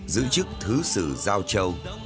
giữ chức thứ xử giao châu